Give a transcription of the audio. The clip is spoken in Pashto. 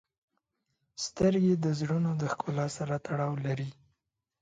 • سترګې د زړونو د ښکلا سره تړاو لري.